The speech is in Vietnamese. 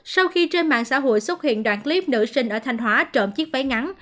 sau khi trên mạng xã hội xuất hiện đoạn clip nữ sinh ở thanh hóa trộm chiếc váy ngắn